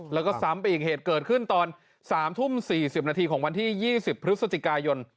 แล้วก็ซ้ำไปอีกเหตุเกิดขึ้นตอนสามทุ่มสี่สิบนาทีของวันที่ยี่สิบพฤษจิกายน